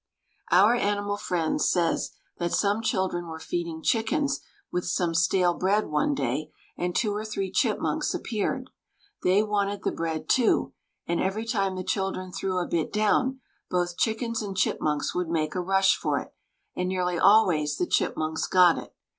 Our Animal Friends says that some children were feeding chickens with some stale bread one day, and two or three chipmunks appeared. They wanted the bread, too, and every time the children threw a bit down, both chickens and chipmunks would make a rush for it; and nearly always the chipmunks got it.